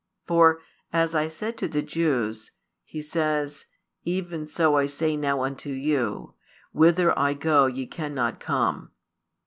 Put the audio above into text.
For as I said to the Jews, He says, even so I say now unto you: Whither I go ye cannot come.